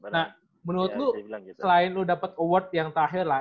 nah menurut lu selain lu dapet award yang terakhir lah